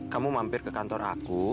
kamu mampir ke kantor aku